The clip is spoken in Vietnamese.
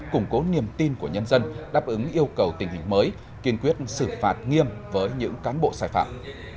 củng cố niềm tin của nhân dân đáp ứng yêu cầu tình hình mới kiên quyết xử phạt nghiêm với những cán bộ sai phạm